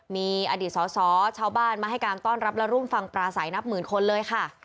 มีอดีตสอสอชาวบ้านมาให้การต้อนรับและร่วมฟังปราศัยนับหมื่นคนเลยค่ะ